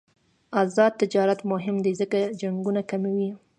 آزاد تجارت مهم دی ځکه چې جنګونه کموي.